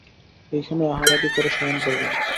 এইখানেই আহারাদি করে শয়ন করবেন।